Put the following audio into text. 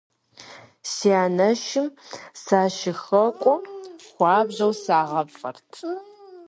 Си анэшым сащыхуэкӀуэм хуабжьэу сагъафӏэрт.